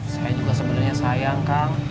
saya juga sebenarnya sayang kang